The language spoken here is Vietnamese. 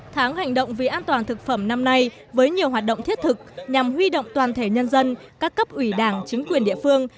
tháng hành động vì an toàn thực phẩm năm nay với nhiều hoạt động thiết thực nhằm huy động toàn thể nhân dân các cấp ủy đảng chính quyền địa phương